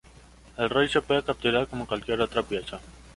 El rey se puede capturar como cualquier otra pieza.